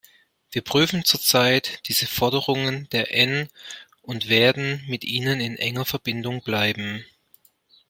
Wir prüfen zurzeit diese Forderungen der N- und werden mit ihnen in enger Verbindung bleiben.